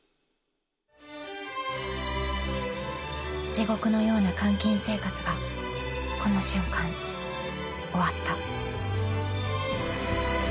［地獄のような監禁生活がこの瞬間終わった］